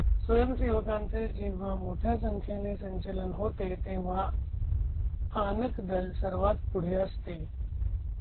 स्वयंसेवकांचे जेव्हा मोठ्या संख्येने संचलन होते तेव्हा आनक दल सर्वात पुढे असते.